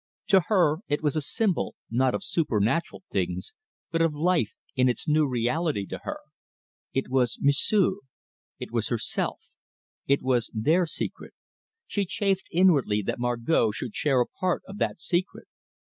To her it was a symbol, not of supernatural things, but of life in its new reality to her. It was M'sieu', it was herself, it was their secret she chafed inwardly that Margot should share a part of that secret.